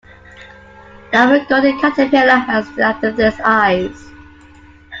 The Irvin Golden Caterpillar has amethyst eyes.